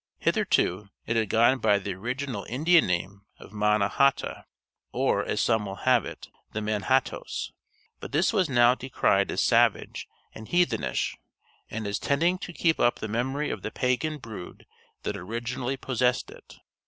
Hitherto it had gone by the original Indian name of Manna hata, or, as some will have it, "The Manhattoes;" but this was now decried as savage and heathenish, and as tending to keep up the memory of the pagan brood that originally possessed it.